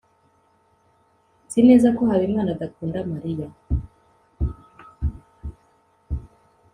nzi neza ko habimana adakunda mariya